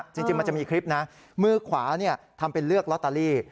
จริงมันจะมีคลิปนะมือขวาทำเป็นเลือกลอตเตอรี่